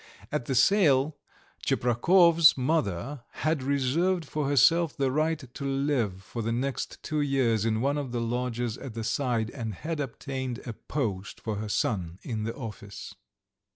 At the sale Tcheprakov's mother had reserved for herself the right to live for the next two years in one of the lodges at the side, and had obtained a post for her son in the office.